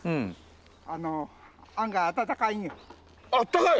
あったかい？